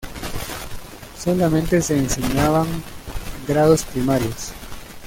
Solamente se enseñaban grados primarios.